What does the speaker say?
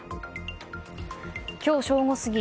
今日正午過ぎ